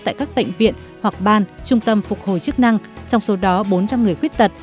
tại các bệnh viện hoặc ban trung tâm phục hồi chức năng trong số đó bốn trăm linh người khuyết tật